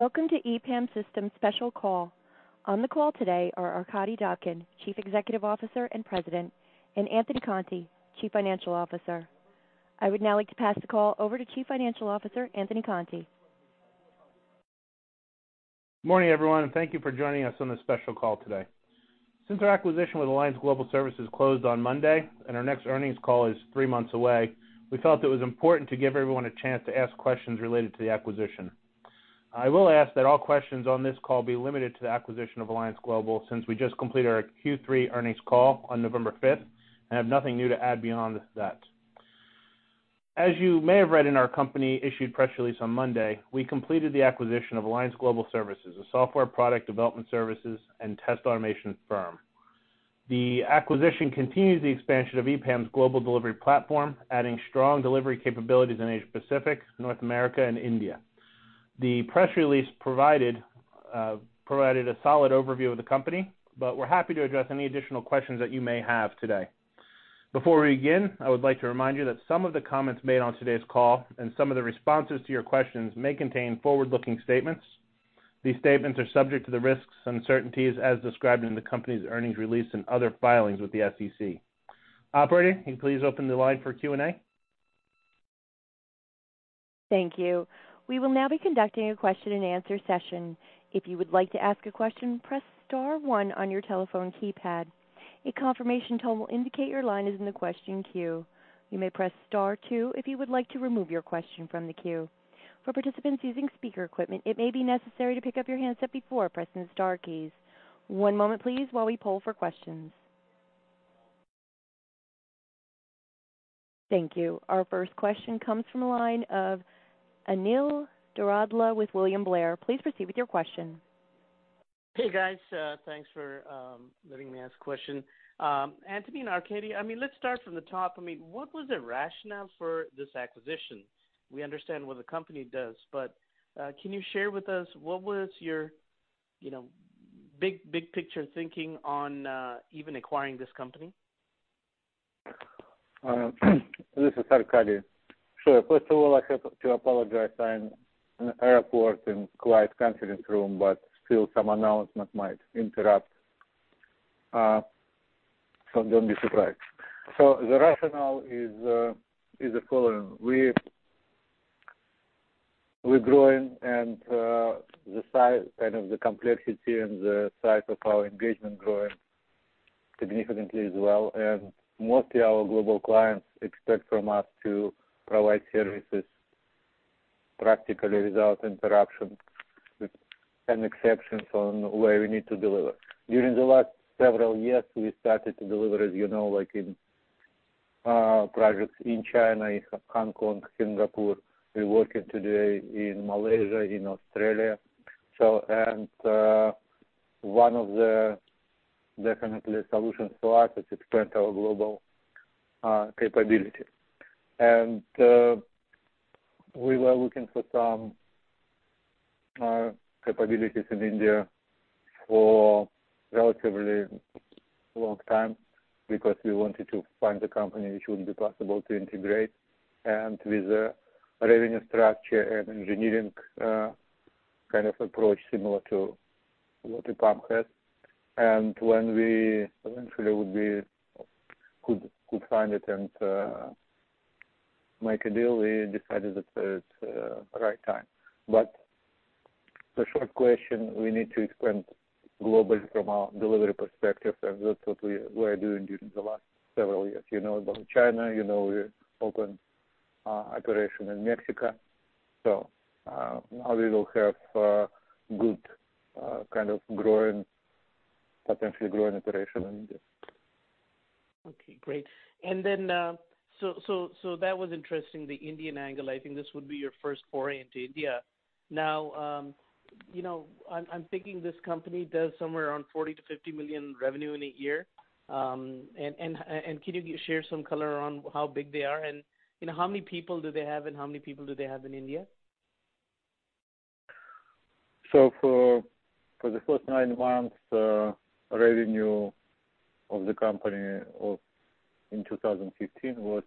Welcome to EPAM Systems special call. On the call today are Arkadiy Dobkin, Chief Executive Officer and President, and Anthony Conte, Chief Financial Officer. I would now like to pass the call over to Chief Financial Officer Anthony Conte. Good morning, everyone, and thank you for joining us on this special call today. Since our acquisition with Alliance Global Services closed on Monday and our next earnings call is three months away, we felt it was important to give everyone a chance to ask questions related to the acquisition. I will ask that all questions on this call be limited to the acquisition of Alliance Global since we just completed our Q3 earnings call on November 5th and have nothing new to add beyond that. As you may have read in our company issued press release on Monday, we completed the acquisition of Alliance Global Services, a software product development services and test automation firm. The acquisition continues the expansion of EPAM's global delivery platform, adding strong delivery capabilities in Asia Pacific, North America, and India. The press release provided a solid overview of the company, but we're happy to address any additional questions that you may have today. Before we begin, I would like to remind you that some of the comments made on today's call and some of the responses to your questions may contain forward-looking statements. These statements are subject to the risks and uncertainties as described in the company's earnings release and other filings with the SEC. Operator, can you please open the line for Q&A? Thank you. We will now be conducting a question-and-answer session. If you would like to ask a question, press star one on your telephone keypad. A confirmation tone will indicate your line is in the question queue. You may press star two if you would like to remove your question from the queue. For participants using speaker equipment, it may be necessary to pick up your handset before pressing the star keys. One moment, please, while we pull for questions. Thank you. Our first question comes from a line of Anil Dorodla with William Blair. Please proceed with your question. Hey, guys. Thanks for letting me ask a question. Anthony and Arkadiy, I mean, let's start from the top. I mean, what was the rationale for this acquisition? We understand what the company does, but can you share with us what was your big, big picture thinking on even acquiring this company? This is Arkadiy. Sure. First of all, I have to apologize. I'm in an airport in quite a conference room, but still, some announcement might interrupt, so don't be surprised. So the rationale is the following. We're growing, and the kind of the complexity and the size of our engagement is growing significantly as well. And mostly our global clients expect from us to provide services practically without interruption and exceptions on where we need to deliver. During the last several years, we started to deliver, as you know, in projects in China, in Hong Kong, Singapore. We're working today in Malaysia, in Australia. And one of the definite solutions for us is expand our global capability. And we were looking for some capabilities in India for a relatively long time because we wanted to find a company which would be possible to integrate with a revenue structure and engineering kind of approach similar to what EPAM has. And when we eventually could find it and make a deal, we decided that's the right time. But the short question, we need to expand globally from our delivery perspective, and that's what we were doing during the last several years. You know about China. You know we opened operation in Mexico. So now we will have good kind of potentially growing operation in India. Okay. Great. And then so that was interesting, the Indian angle. I think this would be your first foray into India. Now, I'm thinking this company does somewhere around $40 million-$50 million revenue in a year. And can you share some color on how big they are and how many people do they have and how many people do they have in India? For the first nine months, revenue of the company in 2015 was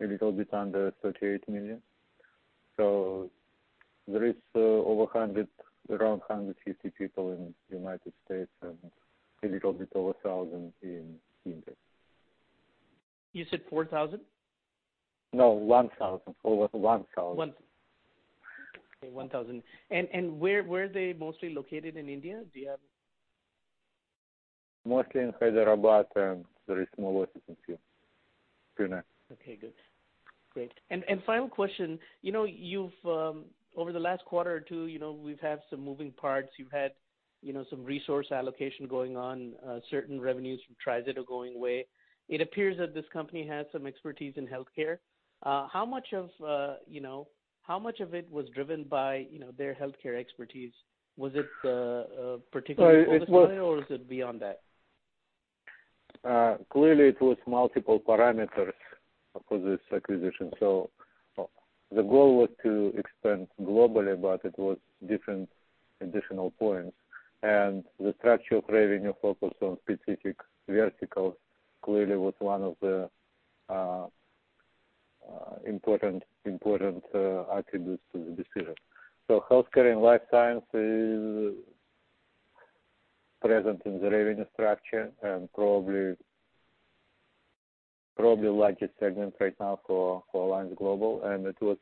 a little bit under $38 million. There is around 150 people in the United States and a little bit over 1,000 in India. You said 4,000? No, 1,000. Over 1,000. Okay. 1,000. And where are they mostly located in India? Do you have? Mostly in Hyderabad, and there is small offices here. Pune. Okay. Good. Great. Final question. Over the last quarter or two, we've had some moving parts. You've had some resource allocation going on. Certain revenues from TriZetto going away. It appears that this company has some expertise in healthcare. How much of it was driven by their healthcare expertise? Was it particularly oversight, or was it beyond that? Clearly, it was multiple parameters for this acquisition. The goal was to expand globally, but it was different additional points. The structure of revenue focused on specific verticals clearly was one of the important attributes to the decision. Healthcare and life science is present in the revenue structure and probably the largest segment right now for Alliance Global, and it was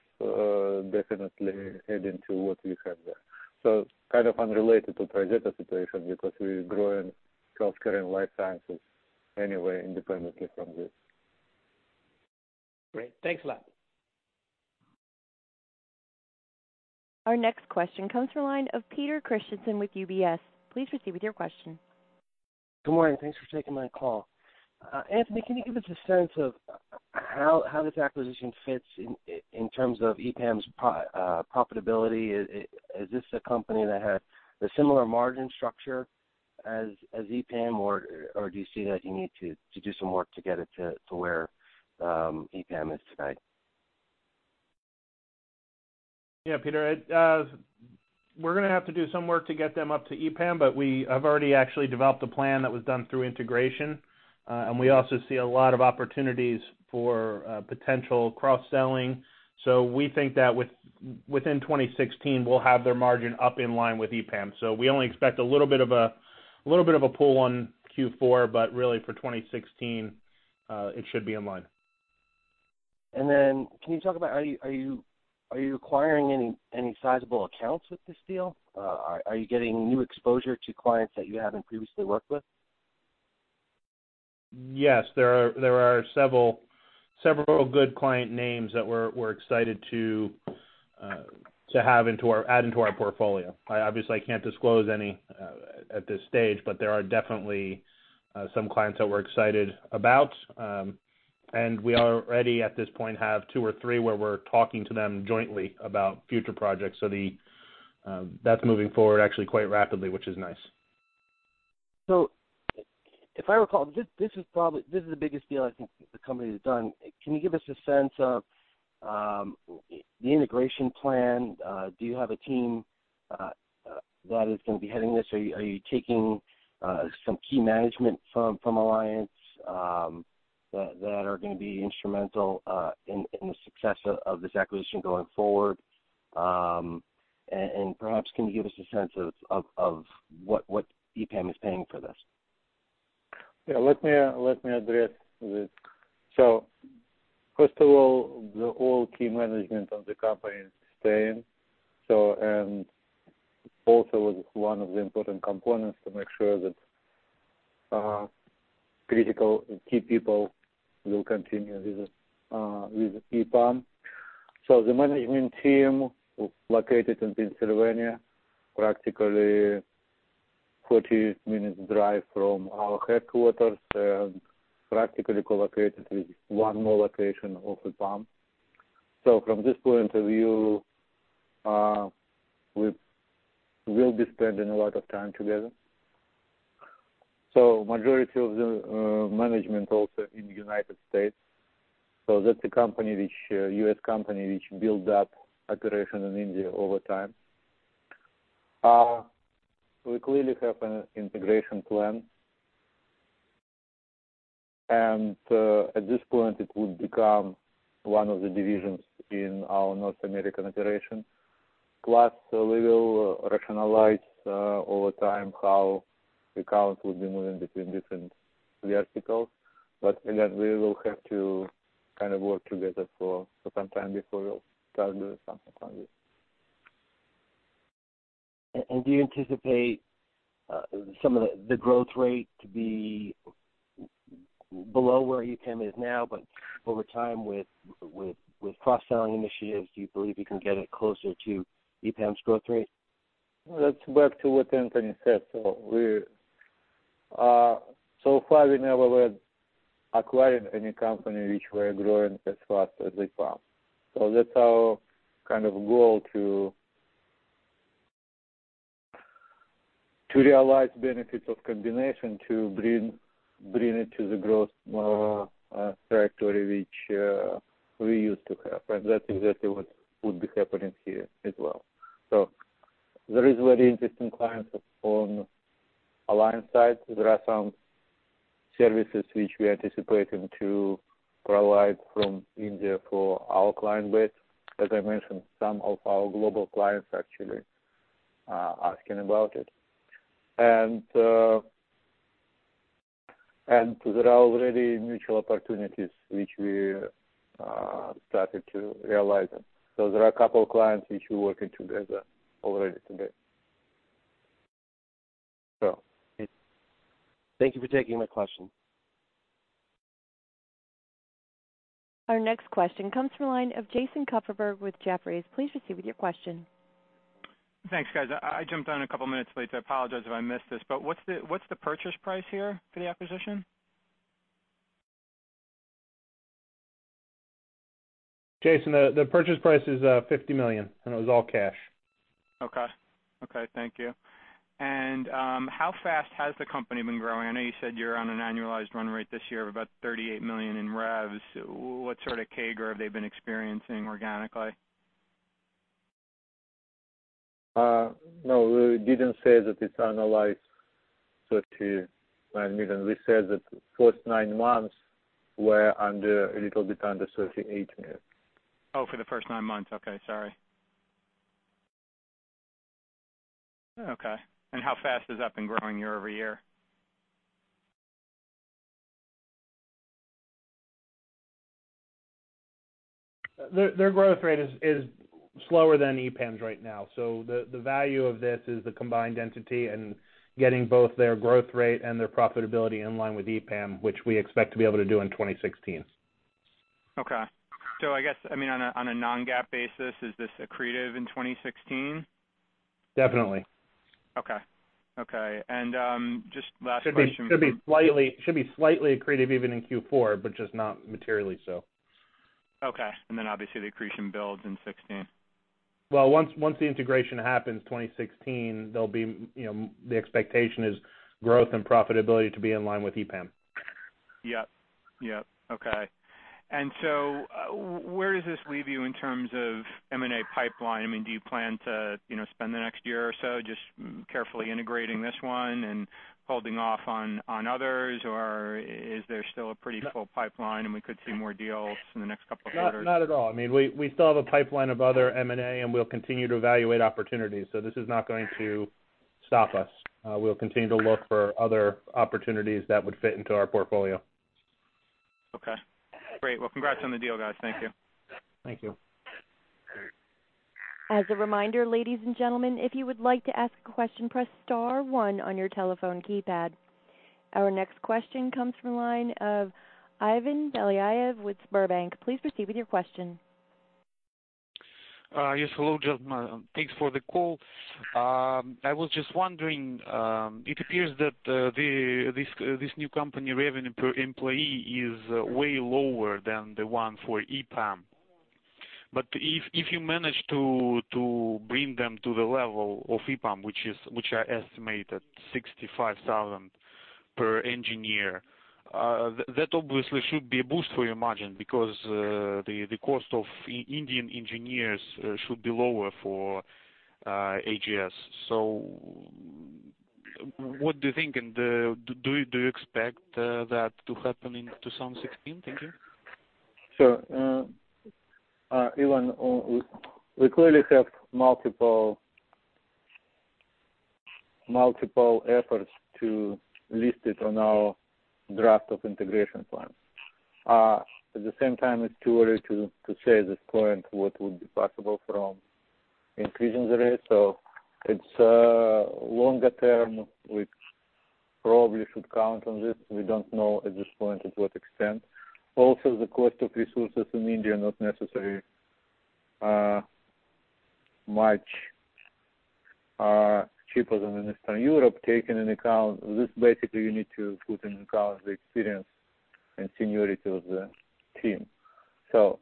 definitely adding to what we have there. Kind of unrelated to TriZetto situation because we're growing healthcare and life sciences anyway independently from this. Great. Thanks a lot. Our next question comes from a line of Peter Christiansen with UBS. Please proceed with your question. Good morning. Thanks for taking my call. Anthony, can you give us a sense of how this acquisition fits in terms of EPAM's profitability? Is this a company that has a similar margin structure as EPAM, or do you see that you need to do some work to get it to where EPAM is today? Yeah, Peter. We're going to have to do some work to get them up to EPAM, but we have already actually developed a plan that was done through integration. And we also see a lot of opportunities for potential cross-selling. So we think that within 2016, we'll have their margin up in line with EPAM. So we only expect a little bit of a little bit of a pull on Q4, but really, for 2016, it should be in line. Can you talk about are you acquiring any sizable accounts with this deal? Are you getting new exposure to clients that you haven't previously worked with? Yes. There are several good client names that we're excited to add into our portfolio. Obviously, I can't disclose any at this stage, but there are definitely some clients that we're excited about. And we already, at this point, have two or three where we're talking to them jointly about future projects. So that's moving forward actually quite rapidly, which is nice. So if I recall, this is probably the biggest deal I think the company has done. Can you give us a sense of the integration plan? Do you have a team that is going to be heading this? Are you taking some key management from Alliance that are going to be instrumental in the success of this acquisition going forward? And perhaps, can you give us a sense of what EPAM is paying for this? Yeah. Let me address this. So first of all, the old key management of the company is staying, and also was one of the important components to make sure that critical key people will continue with EPAM. So the management team located in Pennsylvania, practically 40 minutes drive from our headquarters, and practically collocated with one more location of EPAM. So from this point of view, we will be spending a lot of time together. So majority of the management also in the United States. So that's a U.S. company which built up operation in India over time. We clearly have an integration plan. And at this point, it would become one of the divisions in our North American operation. Plus, we will rationalize over time how accounts would be moving between different verticals. But again, we will have to kind of work together for some time before we'll start doing something like this. Do you anticipate some of the growth rate to be below where EPAM is now, but over time, with cross-selling initiatives, do you believe you can get it closer to EPAM's growth rate? Let's go back to what Anthony said. So far, we never were acquiring any company which were growing as fast as EPAM. So that's our kind of goal to realize benefits of combination, to bring it to the growth trajectory which we used to have. And that's exactly what would be happening here as well. So there is very interesting clients on Alliance side. There are some services which we are anticipating to provide from India for our client base. As I mentioned, some of our global clients are actually asking about it. And there are already mutual opportunities which we started to realize. So there are a couple of clients which we're working together already today. Thank you for taking my question. Our next question comes from a line of Jason Kupferberg with Jefferies. Please proceed with your question. Thanks, guys. I jumped on a couple of minutes late. So I apologize if I missed this. But what's the purchase price here for the acquisition? Jason, the purchase price is $50 million, and it was all cash. Okay. Okay. Thank you. And how fast has the company been growing? I know you said you're on an annualized run rate this year of about $38 million in revenue. What sort of CAGR have they been experiencing organically? No. We didn't say that it's annualized $39 million. We said that first nine months were a little bit under $38 million. Oh, for the first nine months. Okay. Sorry. Okay. And how fast has that been growing year-over-year? Their growth rate is slower than EPAM's right now. So the value of this is the combined entity and getting both their growth rate and their profitability in line with EPAM, which we expect to be able to do in 2016. Okay. So I guess, I mean, on a non-GAAP basis, is this accretive in 2016? Definitely. Okay. Okay. And just last question. Should be slightly accretive even in Q4, but just not materially so. Okay. And then, obviously, the accretion builds in 2016. Well, once the integration happens in 2016, the expectation is growth and profitability to be in line with EPAM. Yep. Yep. Okay. And so where does this leave you in terms of M&A pipeline? I mean, do you plan to spend the next year or so just carefully integrating this one and holding off on others, or is there still a pretty full pipeline, and we could see more deals in the next couple of quarters? Not at all. I mean, we still have a pipeline of other M&A, and we'll continue to evaluate opportunities. So this is not going to stop us. We'll continue to look for other opportunities that would fit into our portfolio. Okay. Great. Well, congrats on the deal, guys. Thank you. Thank you. As a reminder, ladies and gentlemen, if you would like to ask a question, press star one on your telephone keypad. Our next question comes from a line of Ivan Belyaev with Sberbank. Please proceed with your question. Yes. Hello, gentlemen. Thanks for the call. I was just wondering, it appears that this new company revenue per employee is way lower than the one for EPAM. But if you manage to bring them to the level of EPAM, which I estimate at $65,000 per engineer, that obviously should be a boost for your margin because the cost of Indian engineers should be lower for AGS. So what do you think? And do you expect that to happen in 2016? Thank you. Sure. Ivan, we clearly have multiple efforts to list it on our draft of integration plan. At the same time, it's too early to say at this point what would be possible from increasing the rate. So it's longer term. We probably should count on this. We don't know at this point to what extent. Also, the cost of resources in India is not necessarily much cheaper than in Eastern Europe, taking into account this basically, you need to put into account the experience and seniority of the team. So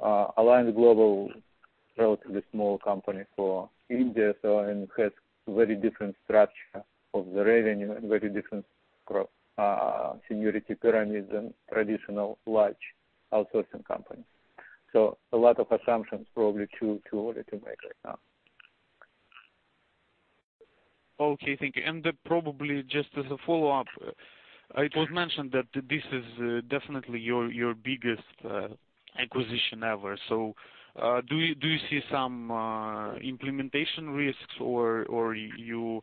Alliance Global is a relatively small company for India and has a very different structure of the revenue and very different seniority pyramids than traditional large outsourcing companies. So a lot of assumptions probably too early to make right now. Okay. Thank you. And probably just as a follow-up, it was mentioned that this is definitely your biggest acquisition ever. So do you see some implementation risks, or are you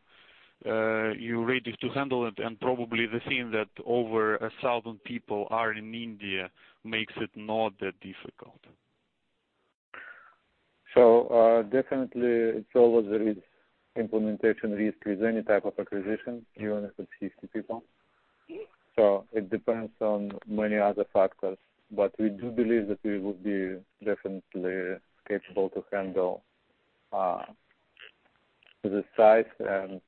ready to handle it? And probably the thing that over 1,000 people are in India makes it not that difficult. So definitely, it's always there is implementation risk with any type of acquisition, even if it's 50 people. So it depends on many other factors. But we do believe that we would be definitely capable to handle the size and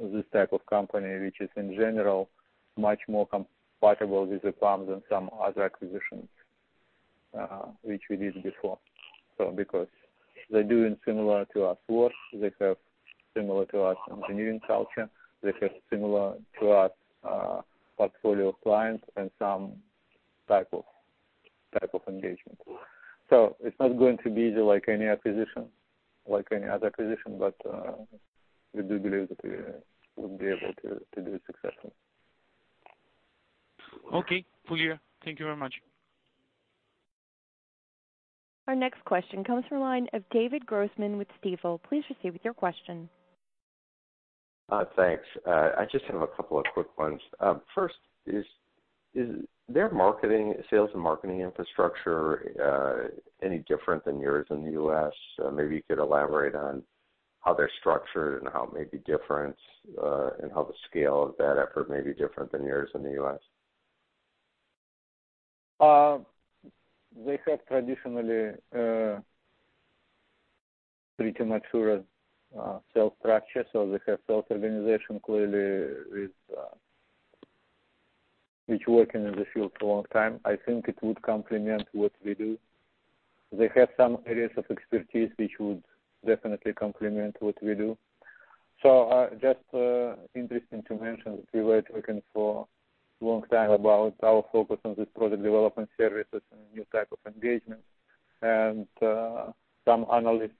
this type of company which is, in general, much more compatible with EPAM than some other acquisitions which we did before because they're doing similar to us work. They have similar to us engineering culture. They have similar to us portfolio of clients and some type of engagement. So it's not going to be easy like any other acquisition, but we do believe that we would be able to do it successfully. Okay. For you, thank you very much. Our next question comes from a line of David Grossman with Stifel. Please proceed with your question. Thanks. I just have a couple of quick ones. First, is their sales and marketing infrastructure any different than yours in the U.S.? Maybe you could elaborate on how they're structured and how it may be different and how the scale of that effort may be different than yours in the U.S. They have traditionally pretty mature sales structure. So they have sales organization clearly which is working in the field for a long time. I think it would complement what we do. They have some areas of expertise which would definitely complement what we do. So just interesting to mention that we were talking for a long time about our focus on this project development services and new type of engagements. And some analysts,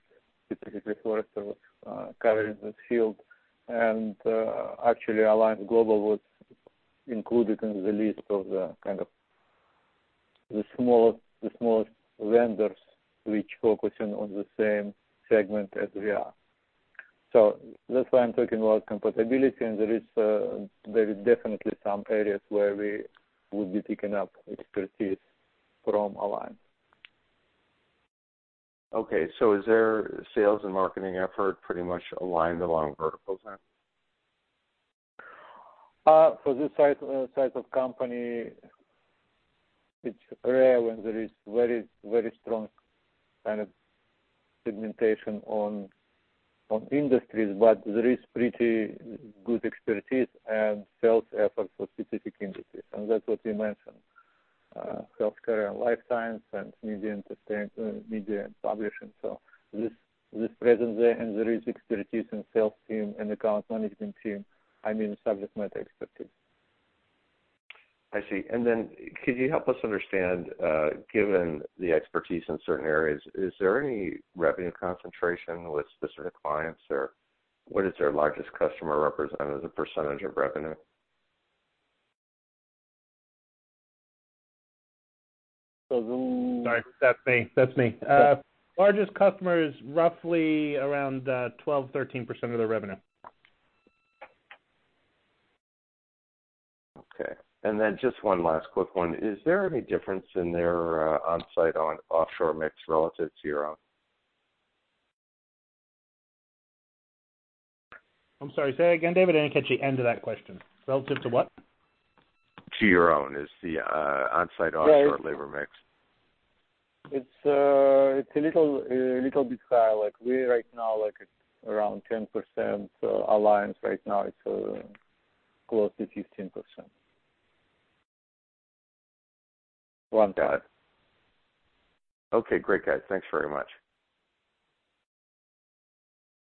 specifically Forrester, was covering this field. And actually, Alliance Global was included in the list of the kind of the smallest vendors which are focusing on the same segment as we are. So that's why I'm talking about compatibility. And there is definitely some areas where we would be picking up expertise from Alliance. Okay. So is their sales and marketing effort pretty much aligned along verticals then? For this type of company, it's rare when there is very strong kind of segmentation on industries, but there is pretty good expertise and sales effort for specific industries. And that's what you mentioned, healthcare and life science and media and publishing. So this presence there, and there is expertise in sales team and account management team, I mean, subject matter expertise. I see. And then could you help us understand, given the expertise in certain areas, is there any revenue concentration with specific clients, or what is their largest customer representative percentage of revenue? Sorry. That's me. That's me. Largest customer is roughly around 12%-13% of their revenue. Okay. And then just one last quick one. Is there any difference in their onsite on-offshore mix relative to your own? I'm sorry. Say that again, David. I didn't catch the end of that question. Relative to what? To your own. Is the onsite-offshore labor mix? It's a little bit higher. Right now, it's around 10%. So Alliance, right now, it's close to 15% onsite. Okay. Great, guys. Thanks very much.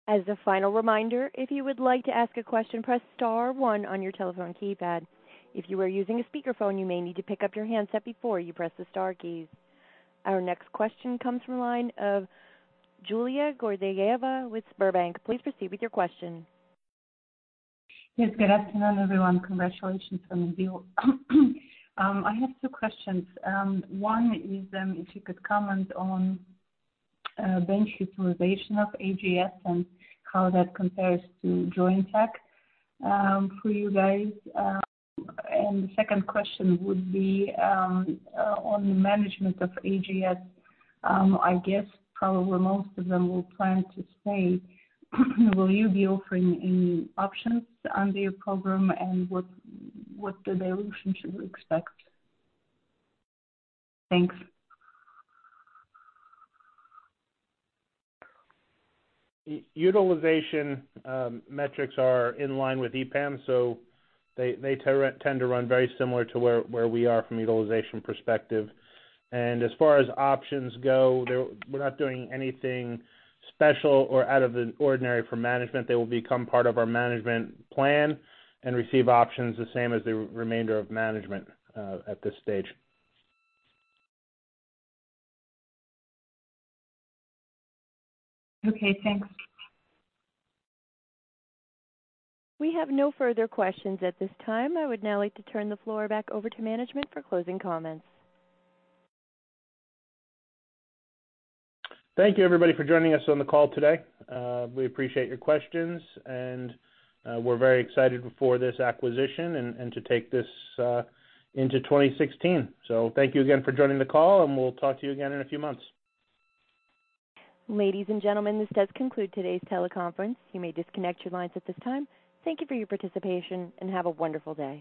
As a final reminder, if you would like to ask a question, press star one on your telephone keypad. If you were using a speakerphone, you may need to pick up your handset before you press the star keys. Our next question comes from a line of Yulia Gerasimova with Sberbank. Please proceed with your question. Yes. Good afternoon, everyone. Congratulations from the deal. I have two questions. One is if you could comment on bench utilization of AGS and how that compares to Jointech for you guys. The second question would be on the management of AGS. I guess probably most of them will plan to stay. Will you be offering any options under your program, and what dilution should we expect? Thanks. Utilization metrics are in line with EPAM, so they tend to run very similar to where we are from a utilization perspective. As far as options go, we're not doing anything special or out of the ordinary for management. They will become part of our management plan and receive options the same as the remainder of management at this stage. Okay. Thanks. We have no further questions at this time. I would now like to turn the floor back over to management for closing comments. Thank you, everybody, for joining us on the call today. We appreciate your questions, and we're very excited for this acquisition and to take this into 2016. So thank you again for joining the call, and we'll talk to you again in a few months. Ladies and gentlemen, this does conclude today's teleconference. You may disconnect your lines at this time. Thank you for your participation, and have a wonderful day.